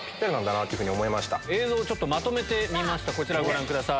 映像をまとめてみましたこちらご覧ください。